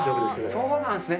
そうなんですね。